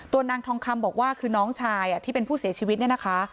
นางทองคำบอกว่าคือน้องชายที่เป็นผู้เสียชีวิตเนี่ยนะคะ